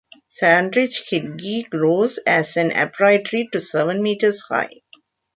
Sandridge Gidgee grows as an upright tree to seven metres high.